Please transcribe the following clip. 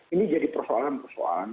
ini jadi persoalan persoalan